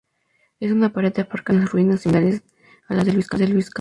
En una pared del aparcamiento hay unas "ruinas" similares a las de Louis Kahn.